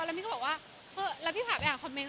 ให้พี่ผู้ข่าวอ่านคอมเมนต์